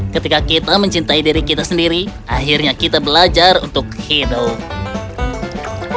ketika kita mencintai diri kita sendiri akhirnya kita belajar untuk hidup